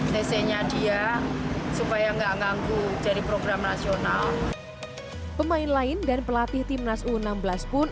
tc nya dia supaya enggak nganggu jadi program nasional pemain lain dan pelatih timnas u enam belas pun